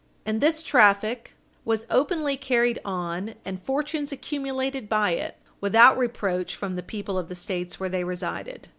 And this traffic was openly carried on, and fortunes accumulated by it, without reproach from the people of the States where they resided.